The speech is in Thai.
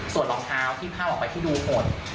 ส่วนรองเท้าที่เข้าไปที่ดูหมด